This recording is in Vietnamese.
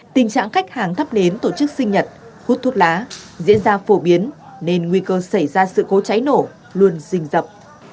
tình trạng khách hàng thắp nến tổ chức sinh nhật hút thuốc lá diễn ra phổ biến nên nguy cơ xảy ra sự cố cháy nổ luôn rình dập